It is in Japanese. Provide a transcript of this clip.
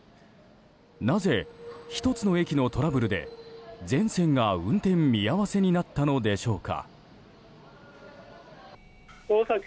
なぜ１つの駅のトラブルで全線が運転見合わせになったのでしょうか。